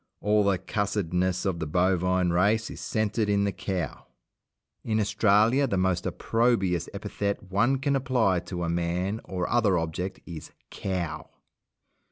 All the cussedness of the bovine race is centred in the cow. In Australia the most opprobious epithet one can apply to a man or other object is "cow".